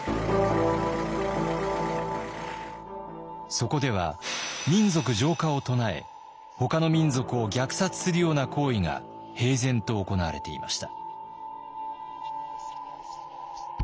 そこでは「民族浄化」を唱えほかの民族を虐殺するような行為が平然と行われていました。